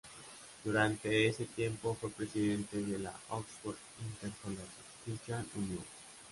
Durante ese tiempo fue presidente de la Oxford Inter-Collegiate Christian Union.